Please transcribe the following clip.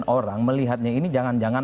orang melihatnya ini jangan jangan